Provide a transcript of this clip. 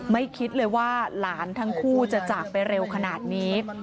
คิดเลยว่าหลานทั้งคู่จะจากไปเร็วขนาดนี้